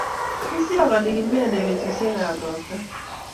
ng'isiokoni kiminde betusiekab ropta